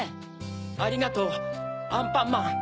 ありがとうアンパンマン。